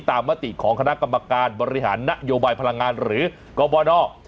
มติของคณะกรรมการบริหารนโยบายพลังงานหรือกบน